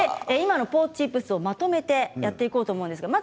今の「ポ、チ、プス」をまとめてやっていこうと思います。